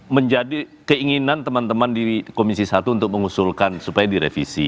menjadi keinginan teman teman di komisi satu untuk mengusulkan supaya direvisi